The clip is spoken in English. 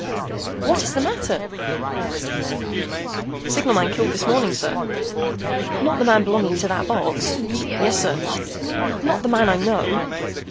"What is the matter?" I asked the men. "Signal man killed this morning, sir." "Not the man belonging to that box?" "Yes, sir." "Not the man I know?"